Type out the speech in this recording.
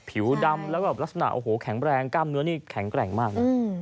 ผิวดำแล้วก็ลักษณะโอ้โหแข็งแรงกล้ามเนื้อนี่แข็งแกร่งมากนะ